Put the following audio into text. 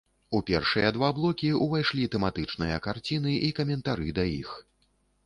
У першыя два блокі ўвайшлі тэматычныя карціны і каментары да іх.